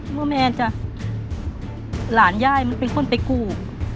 แม่จะหลานย่ายมันเป็นคนไปกู้